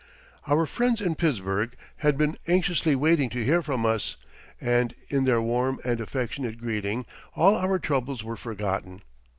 Our friends in Pittsburgh had been anxiously waiting to hear from us, and in their warm and affectionate greeting all our troubles were forgotten.